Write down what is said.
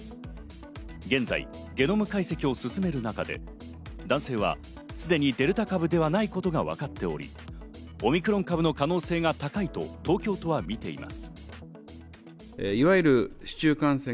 現在、ゲノム解析を続ける中で、男性はすでにデルタ株ではないことがわかっており、オミクロン株の可能性が高いと東京都は見ています。